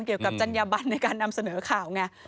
เกี่ยวกับจัญญาบันในการนำเสนอข่าวไง